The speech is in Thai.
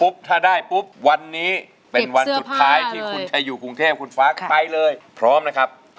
บาทอินโทรมาเลยครับ